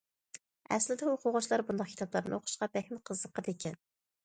ئەسلىدە ئوقۇغۇچىلار بۇنداق كىتابلارنى ئوقۇشقا بەكمۇ قىزىقىدىكەن.